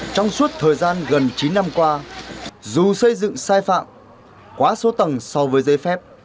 trong suốt thời gian gần chín năm qua dù xây dựng sai phạm quá số tầng so với giấy phép